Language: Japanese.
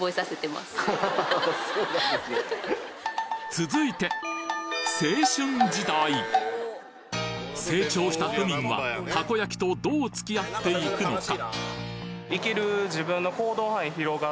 続いて成長した府民はたこ焼きとどう付き合っていくのか？